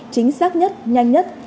chính xác nhất nhanh nhất